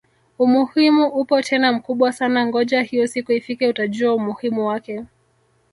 Umuhimu upo tena mkubwa sana ngoja hiyo siku ifike utajua umuhimu wake